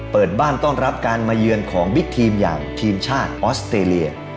เปิดบ้านต้อนรับการมาเยือนของบิ๊กทีมอย่างทีมชาติออสเตรเลีย